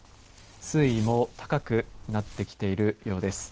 水位も高くなってきているようです。